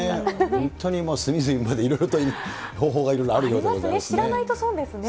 本当に隅々まで、方法がいろいろあるようでございますね。